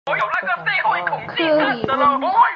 克里翁。